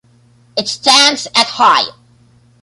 It stands at high.